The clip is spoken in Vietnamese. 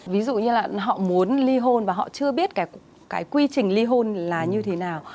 ví dụ như là họ muốn ly hôn và họ chưa biết cái quy trình ly hôn là như thế nào